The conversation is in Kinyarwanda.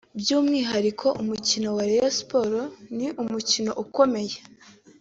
By’umwihariko umukino wa Rayon Sports ni umukino ukomeye